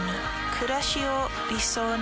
くらしを理想に。